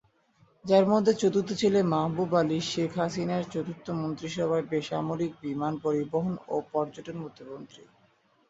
যার মধ্যে চতুর্থ ছেলে মাহবুব আলী শেখ হাসিনার চতুর্থ মন্ত্রিসভায় বেসামরিক বিমান পরিবহন ও পর্যটন প্রতিমন্ত্রী।